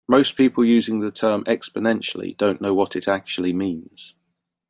Most people using the term "exponentially" don't know what it actually means.